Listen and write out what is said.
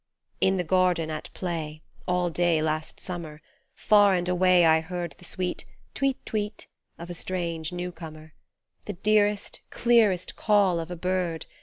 In the garden at play, all day, last summer, Far and away I heard The sweet " tweet tweet " of a strange new comer, The dearest, clearest call of a bird.